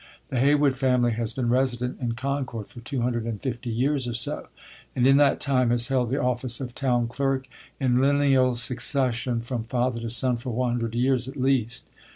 The Heywood family has been resident in Concord for two hundred and fifty years or so, and in that time has held the office of town clerk, in lineal succession from father to son, for one hundred years at least.